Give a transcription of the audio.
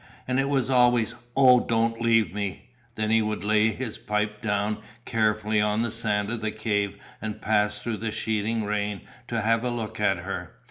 And it was always "Oh, don't leave me." Then he would lay his pipe down carefully on the sand of the cave and pass through the sheeting rain to have a look at her.